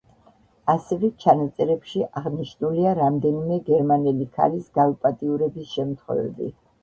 ასევე ჩანაწერებში აღნიშნულია რამდენიმე გერმანელი ქალის გაუპატიურების შემთხვევები.